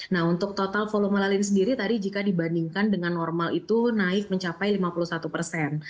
nah untuk total volume lalin sendiri tadi jika dibandingkan dengan normal itu naik mencapai lima puluh satu persen